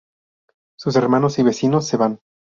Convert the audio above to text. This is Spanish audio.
Sus hermanos y vecinos se van.